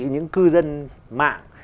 những cư dân mạng